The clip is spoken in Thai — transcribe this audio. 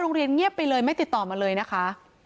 โรงเรียนเงียบไปเลยไม่ติดต่อมาเลยนะคะ